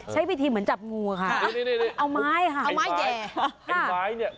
ใช้วิธีเหมือนจับงูค่ะเอาไม้ค่ะเอาไม้แห่ไอ้ไม้เนี่ย